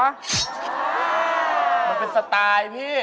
มันเป็นสไตล์พี่